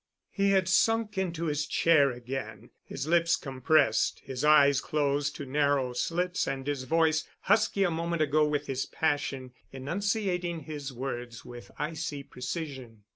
He had sunk into his chair again, his lips compressed, his eyes closed to narrow slits and his voice, husky a moment ago with his passion, enunciating his words with icy precision.